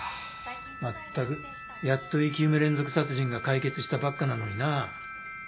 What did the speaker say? まったくやっと生き埋め連続殺人が解決したばっかなのにな。